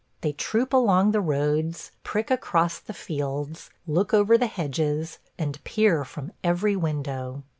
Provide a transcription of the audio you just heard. They troop along the roads, prick across the fields, look over the hedges, and peer from every window.